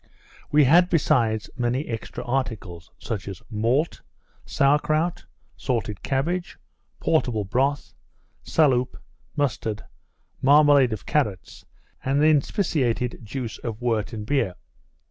We had besides many extra articles, such as _malt, sour krout, salted cabbage, portable broth, saloup, mustard, marmalade of carrots, and inspissated juice of wort and beer_.